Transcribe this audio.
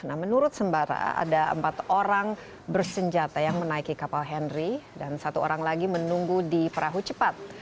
nah menurut sembara ada empat orang bersenjata yang menaiki kapal henry dan satu orang lagi menunggu di perahu cepat